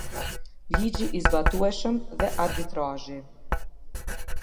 Ligji i Zbatueshëm dhe Arbitrazhi.